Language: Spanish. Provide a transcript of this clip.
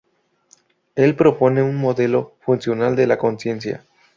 Él propone un modelo funcional de la conciencia.